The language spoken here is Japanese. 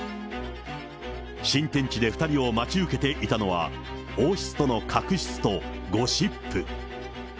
新天地で２人を待ち受けていたのは、王室との確執とゴシップ。